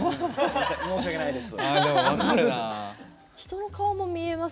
申し訳ないです。